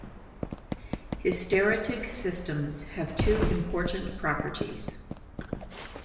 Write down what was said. Hysteretic systems have two important properties.